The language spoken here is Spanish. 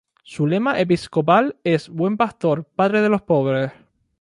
Su lema episcopal es: Buen Pastor, Padre de los Pobres.